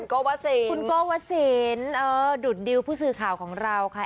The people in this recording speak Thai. คุณโกวัสซินดูดดิวผู้สื่อข่าวของเราค่ะ